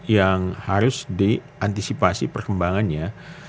yang harus diantisipasi perkembangannya